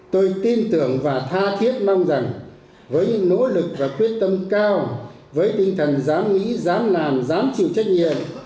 tôi tin tưởng và tha thiết mong rằng với những nỗ lực và quyết tâm cao với tinh thần dám nghĩ dám làm dám chịu trách nhiệm